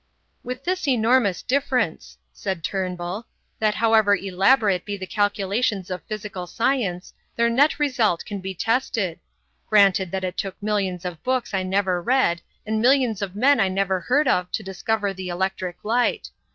"With this enormous difference," said Turnbull, "that however elaborate be the calculations of physical science, their net result can be tested. Granted that it took millions of books I never read and millions of men I never heard of to discover the electric light.